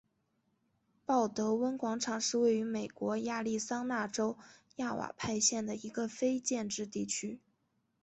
鲍德温广场是位于美国亚利桑那州亚瓦派县的一个非建制地区。